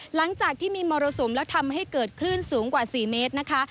หลังจากที่มีมรสุมแล้วทำให้เกิดคลื่นสูงกว่า๔เมตรนะคะ